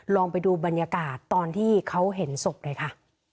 ลองไปดูบรรยากาศตอนที่เขาเห็นศพหน่อยค่ะ